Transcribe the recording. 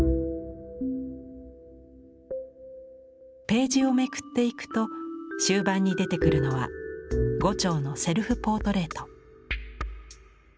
ページをめくっていくと終盤に出てくるのは牛腸のセルフ・ポートレート。